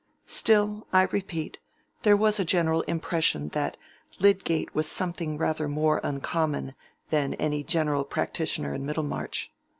Still, I repeat, there was a general impression that Lydgate was something rather more uncommon than any general practitioner in Middlemarch.